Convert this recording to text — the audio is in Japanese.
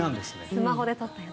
スマホで撮ったやつ。